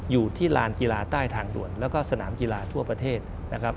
ลานกีฬาใต้ทางด่วนแล้วก็สนามกีฬาทั่วประเทศนะครับ